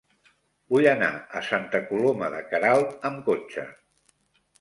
Vull anar a Santa Coloma de Queralt amb cotxe.